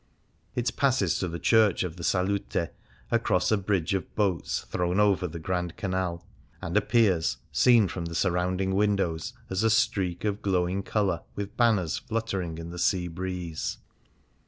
It passes to the church of the Salute, across a bridge of boats thrown over the Grand Canrd, and appears, seen from the surrounding windows, as a streak of glowing colour with banners fluttering in the sea breeze.